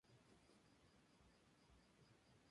Tienen una supervivencia incipiente es muy alta.